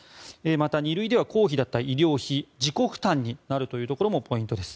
また、２類では公費だった医療費が自己負担になるというところもポイントです。